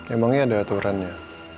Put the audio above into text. emangnya ada aturannya